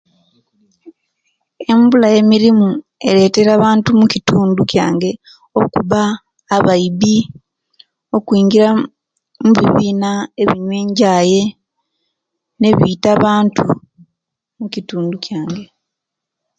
Embula yemirimu eretera abantu mukitundu kiyange okuba abaibi okungira mubibina ebinyuwa enjaye nekwita abantu mukitundu kiyange